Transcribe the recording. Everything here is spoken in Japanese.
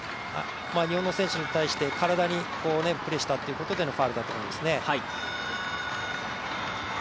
日本の選手に対して体にプレーしたというファウルだと思いますね。